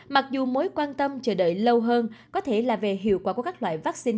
mặc dù mối quan tâm chờ đợi lâu hơn có thể là về hiệu quả của các loại vaccine